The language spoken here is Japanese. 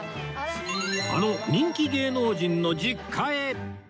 あの人気芸能人の実家へ